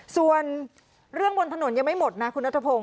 ส่วนเรื่องบนถนนยังไม่หมดนะคุณนัทพงศ